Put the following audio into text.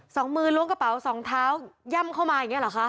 สองมือล้วงกระเป๋าสองเท้าย่ำเข้ามาอย่างเงี้เหรอคะ